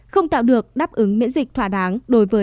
không tạo được đáp ứng miễn dịch thỏa đáng